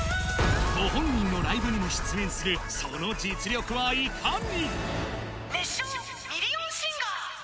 ご本人のライブにも出演するその実力はいかに。